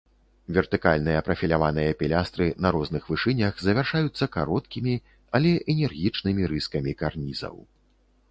Вертыкальныя прафіляваныя пілястры на розных вышынях завяршаюцца кароткімі, але энергічнымі рыскамі карнізаў.